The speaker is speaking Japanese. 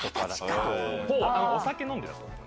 お酒飲んでたと思う。